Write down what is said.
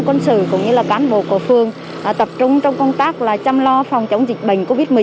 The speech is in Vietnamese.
quân sự cũng như là cán bộ của phương tập trung trong công tác chăm lo phòng chống dịch bệnh covid một mươi chín